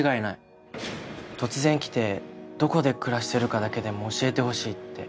突然来て「どこで暮らしてるかだけでも教えてほしい」って。